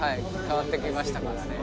変わってきましたからね。